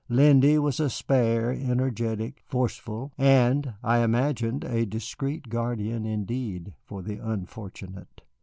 Lindy was spare, energetic, forceful and, I imagined, a discreet guardian indeed for the unfortunate.